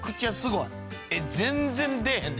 全然出えへんで！